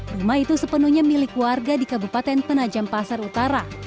rumah itu sepenuhnya milik warga di kabupaten penajam pasar utara